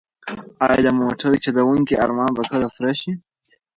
ایا د موټر چلونکي ارمان به کله پوره شي؟